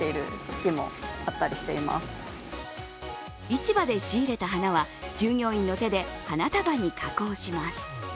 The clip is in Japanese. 市場で仕入れた花は従業員の手で花束に加工します。